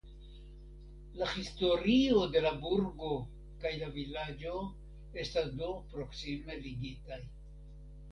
La historio de la burgo kaj la vilaĝo estas do proksime ligitaj.